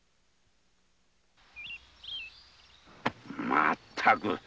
まったく！